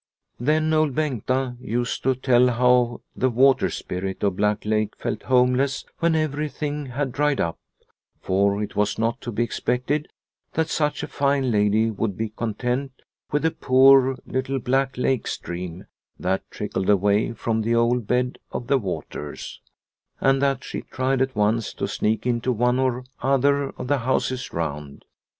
Then Old Bengta used to tell how the " water spirit " of Black Lake felt homeless when everything had dried up, for it was not to be expected that such a fine lady would be content with the poor little Black Lake stream that trickled away from the old bed of the waters, and that she tried at once to sneak into one or other of the houses round.